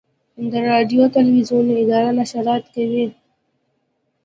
د راډیو تلویزیون اداره نشرات کوي